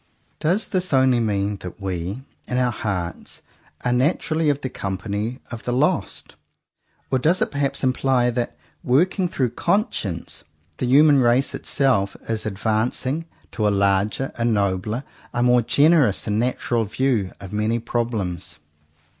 Does this only mean that we, in our hearts, are naturally of the company of the lost; or does it perhaps imply that, working through conscience, the human race itself 96 JOHN COWPER POWYS is advancing to a larger, a nobler, a more generous and natural view of many prob lems?